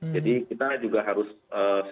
jadi kita juga harus